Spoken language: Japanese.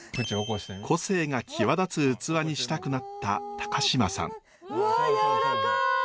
個性が際立つ器にしたくなった高島さん。わやわらかい！